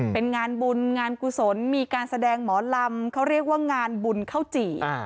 เป็นงานบุญงานกุศลมีการแสดงหมอลำเขาเรียกว่างานบุญข้าวจี่